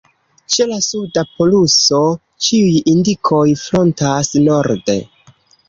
Ĉe la suda poluso ĉiuj indikoj frontas norde.